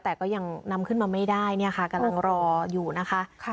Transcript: แต่ก็ยังนำขึ้นมาไม่ได้เนี่ยค่ะกำลังรออยู่นะคะ